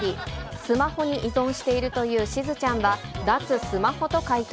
スマホに依存しているというしずちゃんは、脱スマホと回答。